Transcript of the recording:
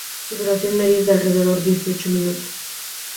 Su duración media es de alrededor de dieciocho minutos.